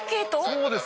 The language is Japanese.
そうです。